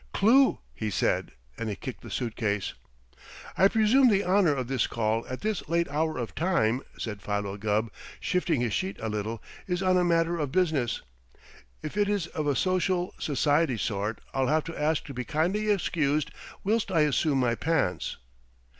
"Clue!" he said, and he kicked the suitcase. "I presume the honor of this call at this late hour of time," said Philo Gubb, shifting his sheet a little, "is on a matter of business. If it is of a social, society sort, I'll have to ask to be kindly excused whilst I assume my pants."